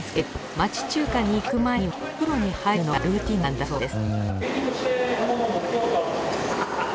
町中華に行く前にはお風呂に入るのがルーティンなんだそうです